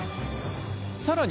さらに。